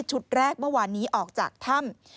แรกเมื่อวานนี้ออกจากถ้ำ